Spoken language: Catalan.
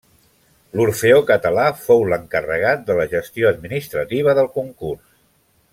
L’Orfeó Català fou l’encarregat de la gestió administrativa del concurs.